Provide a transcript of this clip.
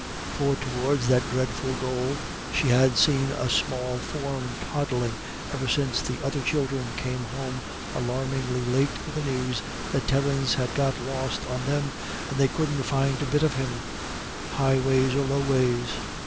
For towards that dreadful goal she had seen a small form toddling ever since the other children came home alarmingly late with the news that Terence had got lost on them, and they couldn't find a bit of him, high ways or low ways.